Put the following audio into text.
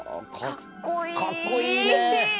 かっこいいね。